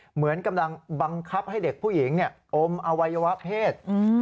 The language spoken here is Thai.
เหมือนกำลังบังคับให้เด็กผู้หญิงอมอวัยวะเพศ